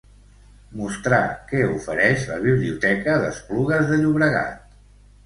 Mostrar què ofereix la biblioteca d'Esplugues de Llobregat.